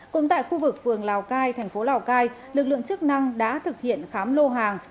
cũng tại khu vực phường lào cai thành phố lào cai lực lượng chức năng đã thực hiện khám lô hàng